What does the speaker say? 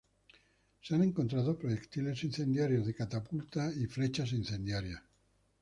Se han encontrado proyectiles incendiarios de catapulta y flechas incendiarias.